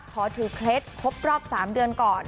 ขอถือเคล็ดครบรอบ๓เดือนก่อน